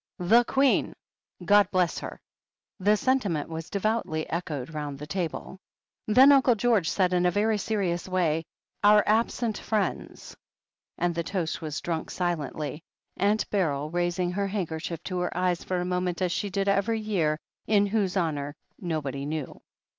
"The Queen! God bless her." The sentiment was devoutly echoed round the table. Then Uncle George said in a very serious way: "Our absent friends." And the toast was dnmk silently, Aunt Beryl raising her handkerchief to her eyes for a moment as she did every year, in whose honour nobody knew.